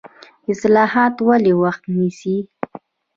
اصلاحات ولې وخت نیسي؟